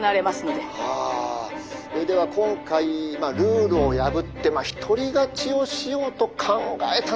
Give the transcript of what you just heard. では今回ルールを破って一人勝ちをしようと考えたのでは」。